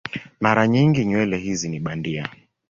Mara nyingi nywele hizi ni bandia.